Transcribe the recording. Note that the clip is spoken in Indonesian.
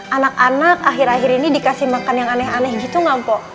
anak anak akhir akhir ini dikasih makan yang aneh aneh gitu gak mpok